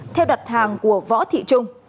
theo đặt hàng của võ thị trung